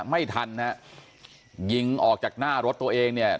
ไม่ทันฮะยิงออกจากหน้ารถตัวเองเนี่ย